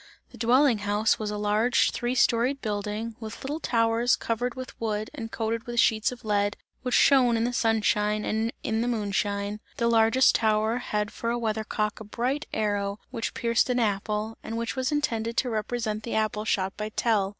The dwelling house was a large three storied building, with little towers covered with wood and coated with sheets of lead, which shone in the sunshine and in the moonshine; the largest tower had for a weather cock a bright arrow which pierced an apple and which was intended to represent the apple shot by Tell.